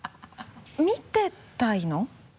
見てたいの？